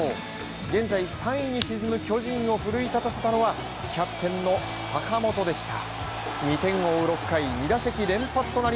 現在３位に沈む巨人を奮い立たせたのはキャプテンの坂本でした。